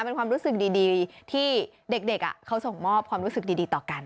เป็นความรู้สึกดีที่เด็กเขาส่งมอบความรู้สึกดีต่อกัน